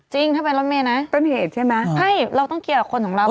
จริงถ้าเป็นรถเมียน่ะเป็นเหตุใช่ไหมไม่เราต้องเกี่ยวกับคนของเรา